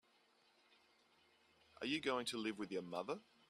Are you going to live with your mother?